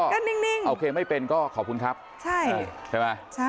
ก็นิ่งโอเคไม่เป็นก็ขอบคุณครับใช่ใช่ไหม